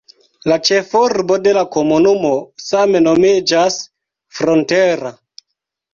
La ĉefurbo de la komunumo same nomiĝas "Frontera".